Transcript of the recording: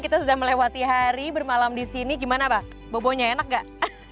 kita sudah melewati hari bermalam di sini gimana apa bobo nya enak enggak